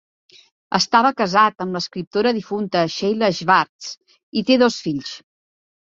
Estava casat amb l'escriptora difunta Sheila Schwartz i té dos fills.